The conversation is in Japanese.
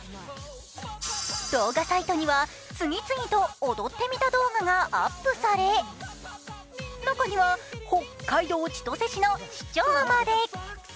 動画サイトには次々と、「踊ってみた」動画がアップされ中には北海道千歳市の市長まで。